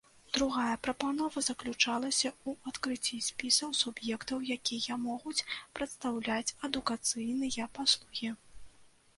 Другая прапанова заключалася ў адкрыцці спісаў суб'ектаў, якія могуць прадастаўляць адукацыйныя паслугі.